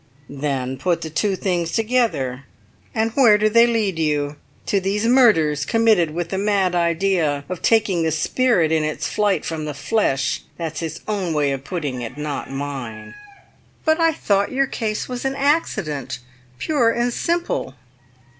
"Then put the two things together, and where do they lead you? To these murders committed with the mad idea of taking the spirit in its flight from the flesh; that's his own way of putting it, not mine." "But I thought your case was an accident pure and simple?"